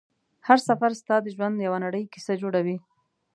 هر سفر ستا د ژوند یوه نوې کیسه جوړوي